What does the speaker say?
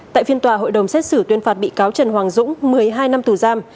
tại phiên tòa hội đồng xét xử tuyên phạt bị cáo trần hoàng dũng một mươi hai năm tù giam